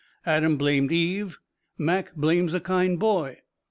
Adam blamed Eve. Mac blames a kind boy.